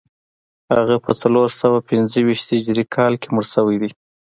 هغه په څلور سوه پنځه ویشت هجري کال کې مړ شوی دی